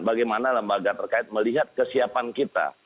bagaimana lembaga terkait melihat kesiapan kita